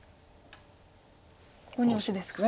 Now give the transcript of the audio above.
ここにオシですか。